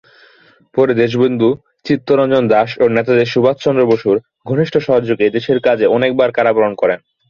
পরে দেশবন্ধু চিত্তরঞ্জন দাশ ও নেতাজী সুভাষচন্দ্র বসুর ঘনিষ্ঠ সহযোগে দেশের কাজে অনেকবার কারাবরণ করেন।